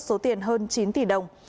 số tiền hơn chín tỷ đồng